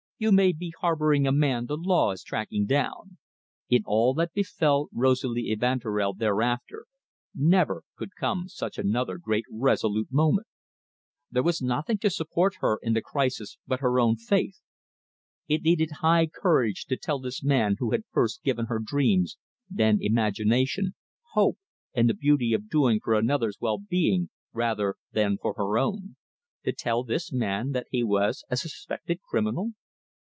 You may be harbouring a man the law is tracking down." In all that befell Rosalie Evanturel thereafter, never could come such another great resolute moment. There was nothing to support her in the crisis but her own faith. It needed high courage to tell this man who had first given her dreams, then imagination, hope, and the beauty of doing for another's well being rather than for her own to tell this man that he was a suspected criminal.